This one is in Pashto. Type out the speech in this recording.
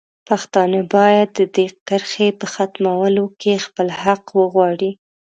پښتانه باید د دې کرښې په ختمولو کې خپل حق وغواړي.